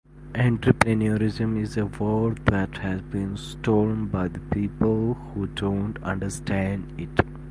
Entrepreneurism is a word that has been stolen by people who don't understand it.